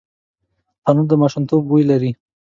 تنور د ماشومتوب بوی لري